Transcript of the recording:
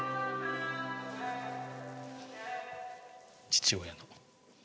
父親の。